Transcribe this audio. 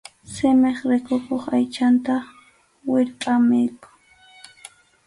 Simip rikukuq aychanta wirpʼa ninkum.